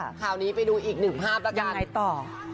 คระคราวนี้ไปดูอีก๑ภาพอีกสินะครับจ๊ะโอจ๊ะพี่แอร์มย์อย่างไหนต่อ